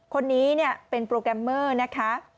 คนนี้เป็นโปรแกรมเมอร์นะคะ